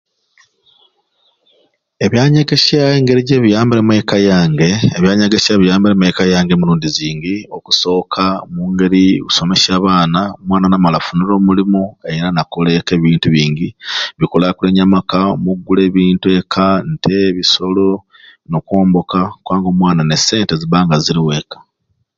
Ebyanyegesya engeri jebiyambireemu ekka yange ebyanyegesya biyambiremu ekka yange emirundi zingi. Okusoka omungeri okusomesya abaana, omwana namala afunire omulimu era nakola ekka ebintu bingi ebikulakulanya amaka omu'gula ebintu ekka, nte, ebisolo nokwomboka kubanga omwana alina esente zibanga ziriwo ekka.